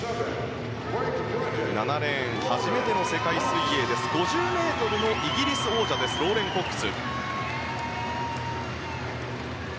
７レーン、初めての世界水泳５０ｍのイギリス王者ローレン・コックス。